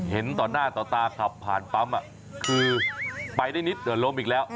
เห็นต่อหน้าต่อตาขับผ่านปั๊มคือไปได้นิดเดี๋ยวล้มอีกแล้ว